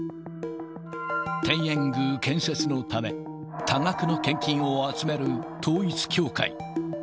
天苑宮建設のため、多額の献金を集める統一教会。